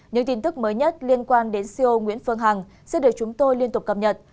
những tin tức mới nhất liên quan đến co nguyễn phương hằng sẽ được chúng tôi liên tục cập nhật